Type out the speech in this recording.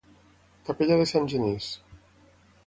Capella de Sant Genís.